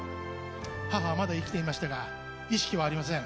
母は、まだ生きていましたが意識はありません。